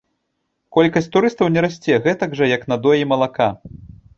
Колькасць турыстаў не расце гэтак жа, як надоі малака.